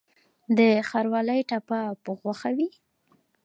د ښاروالۍ ټاپه په غوښه وي؟